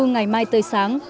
ngày mai tới sáng